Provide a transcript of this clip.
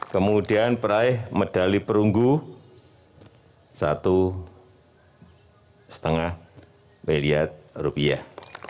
kemudian peraih medali perunggu satu lima miliar rupiah